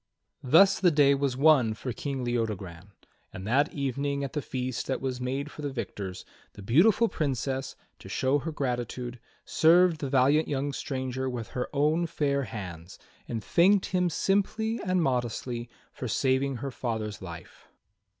Thus the day was won for King Leodogran ; and that evening at the feast that was made for the victors, the beautiful Princess, to show her gratitude, served the valiant young stranger with her own fair hands, and thanked him simply and modestly for saving her father's life.